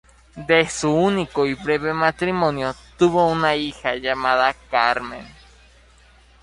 De su único y breve matrimonio tuvo una hija llamada Carmen.